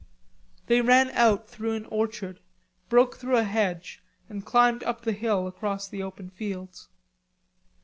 They ran out through an orchard, broke through a hedge and climbed up the hill across the open fields.